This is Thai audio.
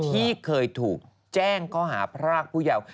ที่เคยถูกแจ้งข้อหาพรากผู้เยาว์